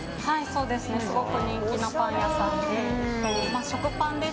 そうですねすごく人気のパン屋さんで。